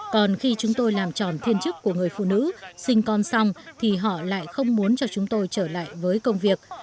còn khi chúng tôi làm tròn thiên chức của người phụ nữ sinh con xong thì họ lại không muốn cho chúng tôi trở lại với công việc